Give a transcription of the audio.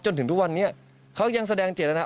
จนถึงทุกวันนี้เขายังแสดงเจตนา